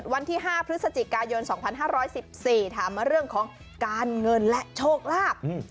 วันที่๕พฤศจิกายน๒๕๑๔ถามมาเรื่องของการเงินและโชคลาภ